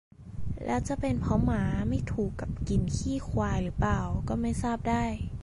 แล้วจะเป็นเพราะหมาไม่ถูกกับกลิ่นขี้ควายหรือเปล่าก็ไม่ทราบได้